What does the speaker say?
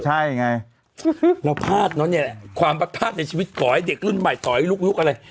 ใช่ไงน้องพาดเนอะนี่ความปัดพาดในชีวิตก่อให้เด็กรุ่นใหม่ก่อให้ลุกอะไร